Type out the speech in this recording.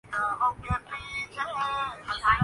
خبر ہلا دینے والی تھی۔